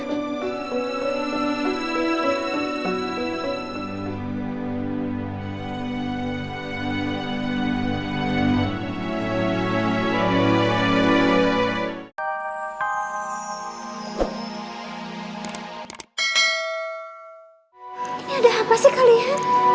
ini ada apa sih kalian